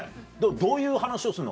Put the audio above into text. どういう話をすんの？